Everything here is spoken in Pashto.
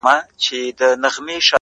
o ستا غمونه ستا دردونه زما بدن خوري ،